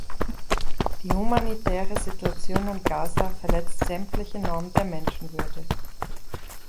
Die humanitäre Situation in Gaza verletzt sämtliche Normen der Menschenwürde.